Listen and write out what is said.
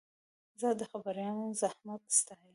زه د خبریالانو زحمت ستایم.